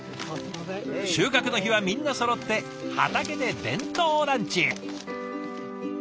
収穫の日はみんなそろって畑で弁当ランチ。